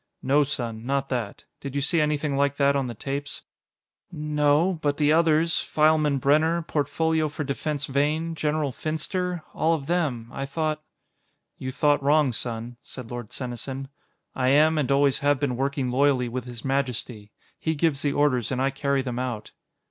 "No, son, not that. Did you see anything like that on the tapes?" "N no. But the others. Fileman Brenner, Portfolio for Defense Vane, General Finster all of them. I thought " "You thought wrong, son," said Lord Senesin. "I am and always have been working loyally with His Majesty. He gives the orders, and I carry them out."